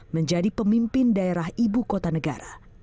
menjadi pemimpin daerah ibu kota negara